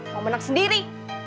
mau menang sendiri